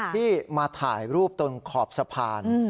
ที่มาถ่ายรูปตรงขอบสะพาน